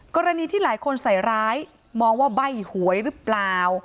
กรณีที่หลายคนใส่ร้ายมองว่าใบ้หวยหรือเปล่า